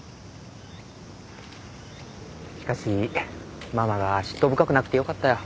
しかしママが嫉妬深くなくてよかったよ。